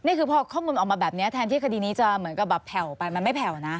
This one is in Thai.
นี่คือพอข้อมูลออกมาแบบนี้แทนที่คดีนี้จะเหมือนกับแบบแผ่วไปมันไม่แผ่วนะ